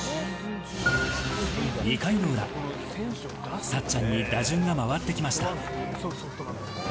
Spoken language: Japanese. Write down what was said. ２回の裏、さっちゃんに打順が回ってきました。